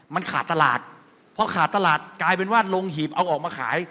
มันขาดตลาดพอขาดตลาดกลายเป็นว่าลงหีบเอาออกมาขาย